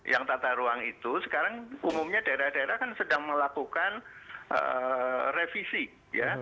yang tata ruang itu sekarang umumnya daerah daerah kan sedang melakukan revisi ya